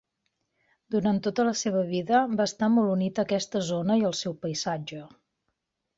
Durant tota la seva vida, va estar molt unit a aquesta zona i al seu paisatge.